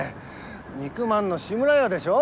肉まんの志村屋でしょ？